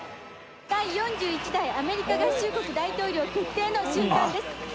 第４１代アメリカ合衆国大統領決定の瞬間です。